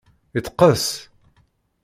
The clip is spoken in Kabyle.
Iteqqes.